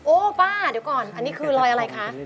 ป้าเดี๋ยวก่อนอันนี้คือรอยอะไรคะ